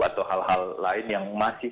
atau hal hal lain yang masih